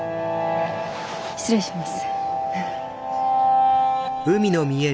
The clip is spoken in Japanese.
失礼します。